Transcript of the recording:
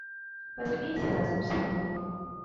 Пасмейся разам са мной.